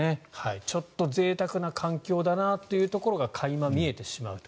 ちょっとぜいたくな環境だなというところが垣間見えてしまうと。